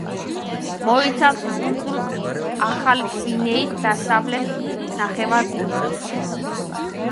მოიცავს კუნძულ ახალი გვინეის დასავლეთ ნახევარკუნძულს.